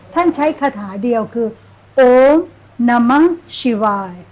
ท่านใช้คาถาเดียวคือโอนามังชีวาย